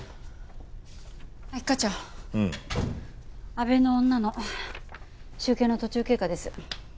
一課長阿部の女の集計の途中経過です。